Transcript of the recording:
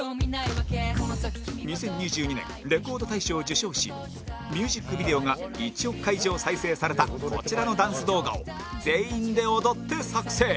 ２０２２年レコード大賞を受賞しミュージックビデオが１億回以上再生されたこちらのダンス動画を全員で踊って作製